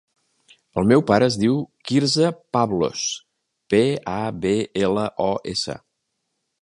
El meu pare es diu Quirze Pablos: pe, a, be, ela, o, essa.